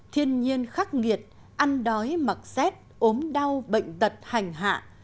thiên nhiên khắc nghiệt ăn đói mặc xét ốm đau bệnh tật hành hạ